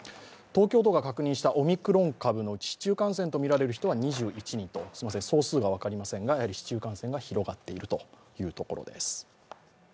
東京都が確認したオミクロン株の市中感染とみられる人は２１人、すみません、総数が分かりませんが市中感染が広がっているいとうところです。